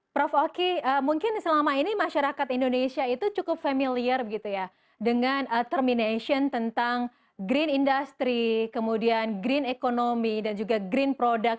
prof oki mungkin selama ini masyarakat indonesia itu cukup familiar gitu ya dengan termination tentang green industry kemudian green economy dan juga green product